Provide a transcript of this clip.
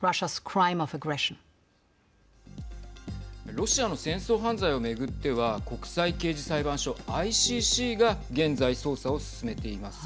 ロシアの戦争犯罪を巡っては国際刑事裁判所＝ＩＣＣが現在、捜査を進めています。